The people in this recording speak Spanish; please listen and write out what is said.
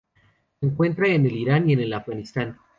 Se encuentra en el Irán y el Afganistán.